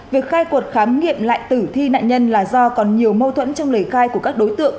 việc khai quật khám nghiệm lại tử thi nạn nhân là do còn nhiều mâu thuẫn trong lời khai của các đối tượng